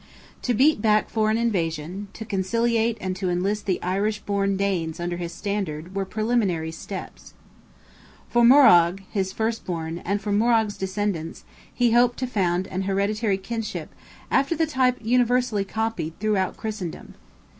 To beat back foreign invasion, to conciliate and to enlist the Irish born Danes under his standard, were preliminary steps. For Morrogh, his first born, and for Morrogh's descendants, he hoped to found an hereditary kinship after the type universally copied throughout Christendom.